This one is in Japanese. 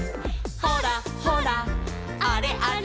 「ほらほらあれあれ」